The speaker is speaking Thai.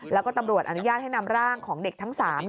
แล้วก็ตำรวจอนุญาตให้นำร่างของเด็กทั้ง๓